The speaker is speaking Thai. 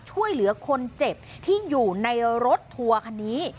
ช่วยเหลือคนเจ็บที่อยู่ในรถทัวร์คันนี้